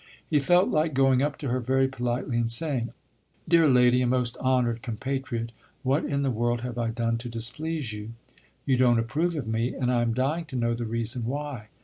He felt like going up to her very politely and saying, "Dear lady and most honored compatriot, what in the world have I done to displease you? You don't approve of me, and I am dying to know the reason why.